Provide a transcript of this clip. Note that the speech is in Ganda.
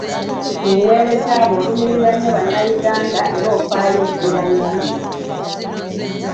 Mu buweereza bwo olumirirwa nnyo Bannayuganda era ofaayo ku bibanyigiriza.